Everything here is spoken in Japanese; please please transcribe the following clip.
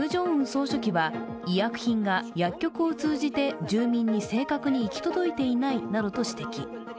総書記は医薬品が薬局を通じて住民に正確に行き届いていないなどと指摘。